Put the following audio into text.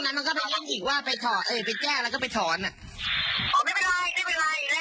อ๋อหมายถึงว่าวันจันทร์เนี่ยพี่จะกลับไปถอนให้ท่านหรอ